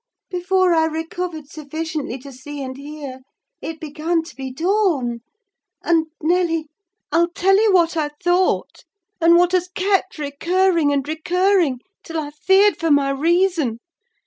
Before I recovered sufficiently to see and hear, it began to be dawn, and, Nelly, I'll tell you what I thought, and what has kept recurring and recurring till I feared for my reason.